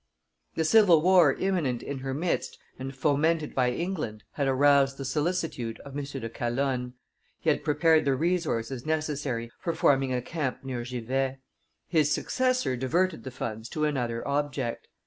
The civil war imminent in her midst and fomented by England had aroused the solicitude of M. de Calonne; he had prepared the resources necessary for forming a camp near Givet; his successor diverted the funds to another object.